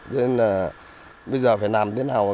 nên là bây giờ phải làm thế nào